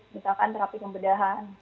misalkan terapi pembedahan